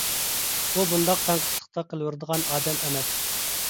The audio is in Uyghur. ئۇ بۇنداق تەڭقىسلىقتا قېلىۋېرىدىغان ئادەم ئەمەس.